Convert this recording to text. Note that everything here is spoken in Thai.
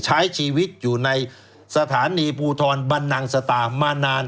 ใช้ชีวิตอยู่ในสถานีภูทรบรรนังสตามานาน